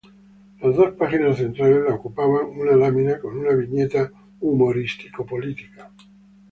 Las dos páginas centrales la ocupaban una lámina con una viñeta humorístico-política.